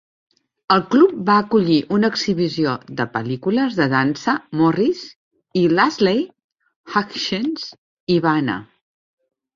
El club va acollir una exhibició de pel·lícules de dansa Morris i l"Ashley Hutchings hi va anar.